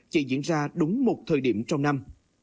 chỉ diễn ra đúng một thời điểm trong năm